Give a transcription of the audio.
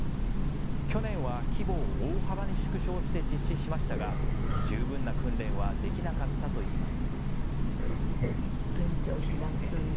去年は規模を大幅に縮小して実施しましたが十分な訓練はできなかったといいます。